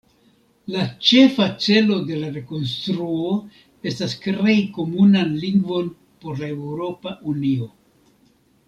La ĉefa celo de la rekonstruo estas krei komunan lingvon por la Eŭropa Unio.